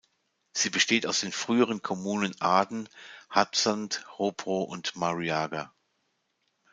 Sie besteht aus den früheren Kommunen Arden, Hadsund, Hobro und Mariager.